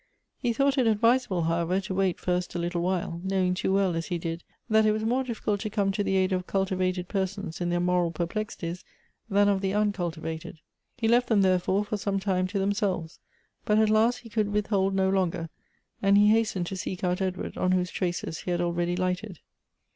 He thought it advisable, however, to wait first a little while ; knowing too well, as he did, that it was more difficult to come to the aid of cultivated persons in their moral per plexities, than of the uncultivated. He left them, there fore, for some time to themselves ; but at last he could withholtl no longer, and he hastened to seek out Edward, on whose traces he had already lighted.